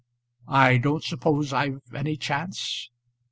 I don't suppose I've any chance?"